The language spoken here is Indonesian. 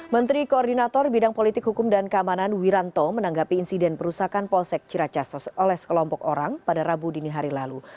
menteri koordinator bidang politik hukum dan keamanan wiranto menanggapi insiden perusahaan polsek ciracasos oleh sekelompok orang pada rabu dini hari lalu